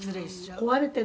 「壊れてる」